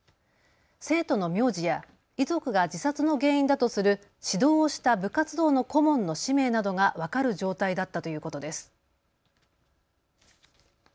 生徒の名字や遺族が自殺の原因だとする指導をした部活動の顧問の氏名などが分かる状態だったということです。